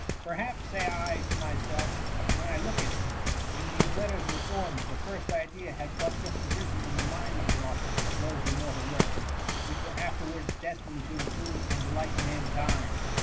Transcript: ^ Per haps,^ say I to myself, when I look at it, * when these letters were formed, the first idea had but just arisen in the mind of the author of those immortal works, which were afterwards des* tined to improve and delight mankind.